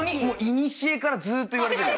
いにしえからずっといわれてる。